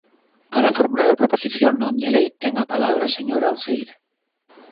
Para formular a proposición non de lei, ten a palabra a señora Uceira.